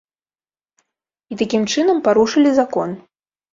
І такім чынам парушылі закон.